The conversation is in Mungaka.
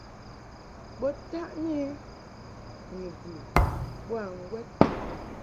Bo taʼni I ni bə boa ŋgwɛd.